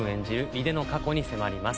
井手の過去に迫ります。